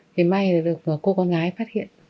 thì may là được cô con gái phát hiện